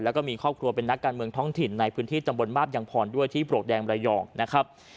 แล้วก็มีครอบครัวเป็นนักการเมืองท้องถิ่นในพื้นที่ตำบลมาบยังพรด้วยที่ปลวกแดงระยองนะครับ